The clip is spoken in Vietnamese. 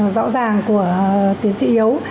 rõ ràng của tiến sĩ yếu